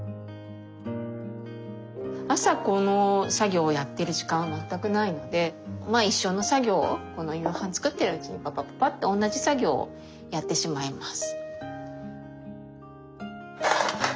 朝この作業をやってる時間は全くないのでまあ一緒の作業をこの夕飯作ってるうちにパパパパッとおんなじ作業をやってしまいます。